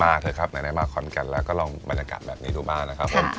มาเถอะครับไหนมาค้นกันแล้วก็ลองบรรยากาศแบบนี้ทุกบ้านนะครับค่ะ